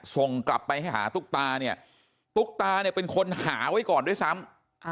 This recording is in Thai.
ส่งกลับไปให้หาตุ๊กตาเนี่ยตุ๊กตาเนี่ยเป็นคนหาไว้ก่อนด้วยซ้ำ